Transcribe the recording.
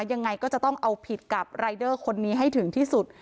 ยังไงก็จะต้องเอาผิดกับรายเดอร์คนนี้ให้ถึงที่สุด